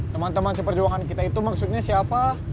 teman teman seperjuangan kita itu maksudnya siapa